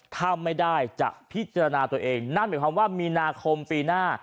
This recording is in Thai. ถ้าไม่ได้จะพิจารณาตัวเองนั่นหมายความว่ามีนาคมปีหน้า